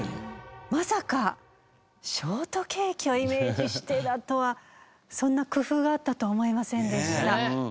まさかショートケーキをイメージしてだとはそんな工夫があったとは思いませんでした。